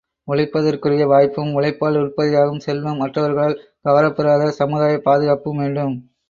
உழைப்பதற்குரிய வாய்ப்பும், உழைப்பால் உற்பத்தியாகும் செல்வம் மற்றவர்களால் கவரப் பெறாத சமுதாயப் பாதுகாப்பும் வேண்டும்.